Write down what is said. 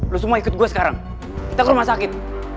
lo semua ikut gue sekarang kita ke rumah sakit